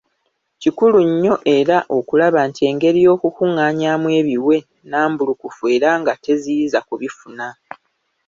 Kikulu nnyo era okulaba nti engeri y’okukungaanyaamu ebiwe nambulukufu era nga teziyiza kubifuna.